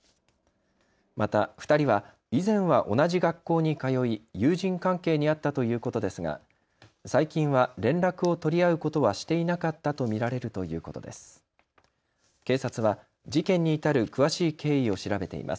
また２人は以前は同じ学校に通い友人関係にあったということですが最近は連絡を取り合うことはしていなかったと見られるということです。